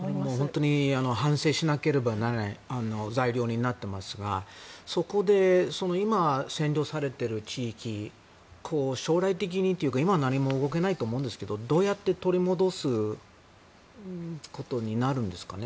本当に反省しなければならない材料になっていますがそこで今、占領されている地域は将来的にというか今は何も動けないと思うんですけど、どうやって取り戻すことになるんですかね。